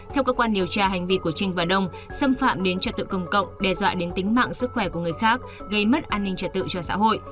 theo cơ quan điều tra hành vi của trinh và đông xâm phạm đến trật tự công cộng đe dọa đến tính mạng sức khỏe của người khác gây mất an ninh trật tự cho xã hội